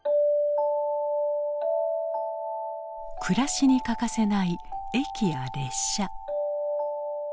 暮らしに欠かせない駅や列車。